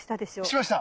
しました。